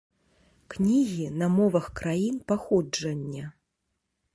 Кнігі на мовах краін паходжання.